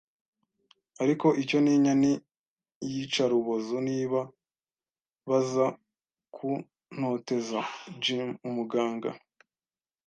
ariko icyo ntinya ni iyicarubozo. Niba baza kuntoteza -”“ Jim, ”umuganga